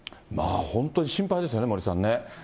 本当に心配ですね、森さんね。